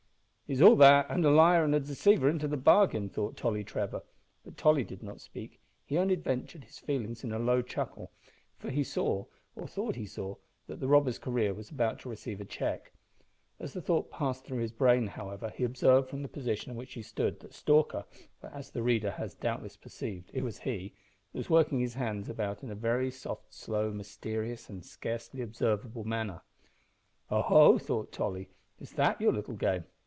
"He's all that, and liar and deceiver into the bargain," thought Tolly Trevor, but Tolly did not speak; he only vented his feelings in a low chuckle, for he saw, or thought he saw, that the robber's career was about to receive a check. As the thought passed through his brain, however, he observed from the position in which he stood that Stalker for, as the reader has doubtless perceived, it was he was working his hands about in a very soft slow, mysterious, and scarcely observable manner. "Oho!" thought Tolly, "is that your little game?